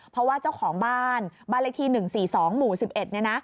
เพราะว่าเจ้าของบ้านบริษฐี๑๔๒หมู่๑๑นี่นะ